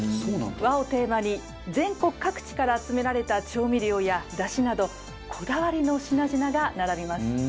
和をテーマに全国各地から集められた調味料やだしなどこだわりの品々が並びます。